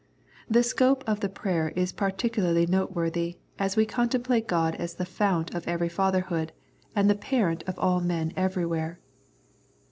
The scope of the prayer is particularly noteworthy, as we contemplate God as the Fount of every fatherhood and the Parent of all men everywhere.